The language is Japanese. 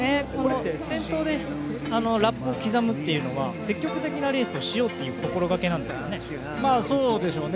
先頭でラップを刻むというのは積極的なレースをしようという心がけなんでしょうかね。